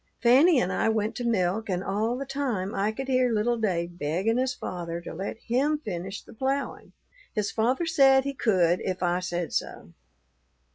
Fanny and I went to milk, and all the time I could hear little Dave begging his father to let him finish the ploughing. His father said he could if I said so.